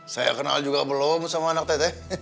saya kenal juga belum sama anak teteh